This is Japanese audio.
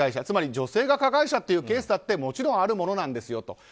つまり女性が加害者というケースだってもちろんあるものなんですよと。